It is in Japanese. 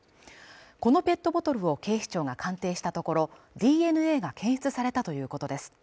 このペットボトルを警視庁が鑑定したところＤＮＡが検出されたということです